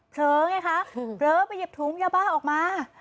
ไงคะเผลอไปหยิบถุงยาบ้าออกมา